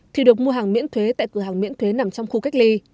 thì được mua hàng miễn thuế tại cửa hàng miễn thuế nằm trong khu cách ly